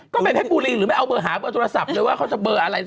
ก็ไปเพชรบุรีหรือไม่เอาเบอร์หาเบอร์โทรศัพท์เลยว่าเขาจะเบอร์อะไร